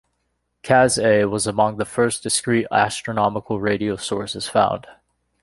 Cas A was among the first discrete astronomical radio sources found.